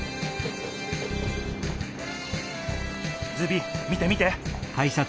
ズビ見て見て！